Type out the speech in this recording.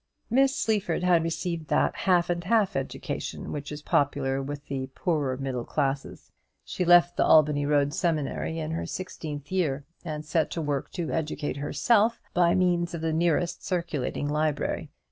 Miss Sleaford had received that half and half education which is popular with the poorer middle classes. She left the Albany Road seminary in her sixteenth year, and set to work to educate herself by means of the nearest circulating library.